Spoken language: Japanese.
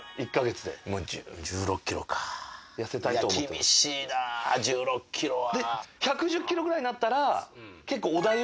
厳しいな１６ｋｇは。